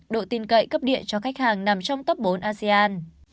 độ tin cậy cấp điện cho khách hàng nằm trong top bốn asean